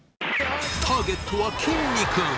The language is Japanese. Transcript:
ターゲットは、きんに君。